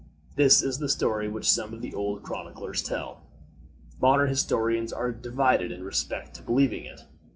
This is the story which some of the old chroniclers tell. Modern historians are divided in respect to believing it.